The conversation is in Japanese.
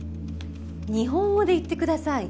日本語で言ってください。